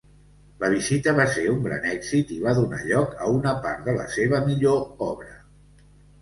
La visita va ser un gran èxit i va donar lloc a una part de la seva millor obra.